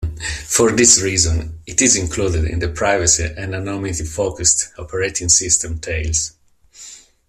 For this reason it is included in the privacy- and anonymity-focused operating system Tails.